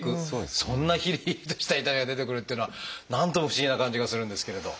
そんなヒリヒリとした痛みが出てくるっていうのは何とも不思議な感じがするんですけれど。